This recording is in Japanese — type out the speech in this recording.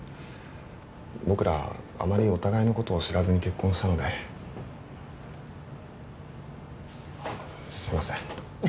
僕らあまりお互いのことを知らずに結婚したのですいません